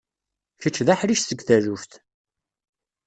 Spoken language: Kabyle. Kečč d aḥric seg taluft.